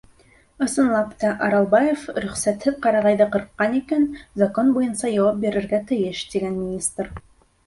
Ысынлап та, Аралбаев рөхсәтһеҙ ҡарағайҙы ҡырҡҡан икән, закон буйынса яуап бирергә тейеш, тигән министр.